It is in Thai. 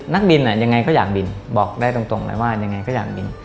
นักบินยังไงก็อยากบินบอกได้ตรงเลยว่ายังไงก็อยากบิน